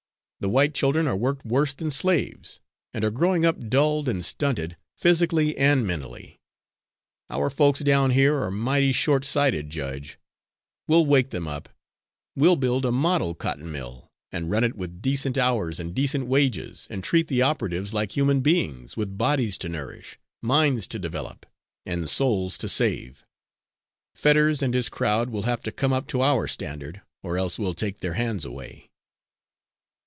The white children are worked worse than slaves, and are growing up dulled and stunted, physically and mentally. Our folks down here are mighty short sighted, judge. We'll wake them up. We'll build a model cotton mill, and run it with decent hours and decent wages, and treat the operatives like human beings with bodies to nourish, minds to develop; and souls to save. Fetters and his crowd will have to come up to our standard, or else we'll take their hands away."